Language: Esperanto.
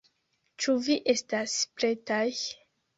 Ĉu vi estas pretaj?